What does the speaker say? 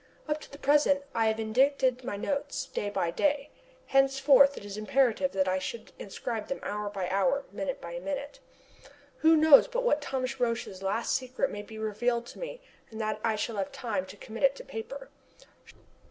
Up to the present I have indited my notes day by day. Henceforward it is imperative that I should inscribe them hour by hour, minute by minute. Who knows but what Thomas Roch's last secret may be revealed to me and that I shall have time to commit it to paper!